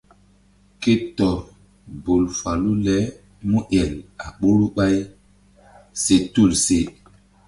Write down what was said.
Ke tɔr bol falu le múel a ɓoruri ɓay se tulu se.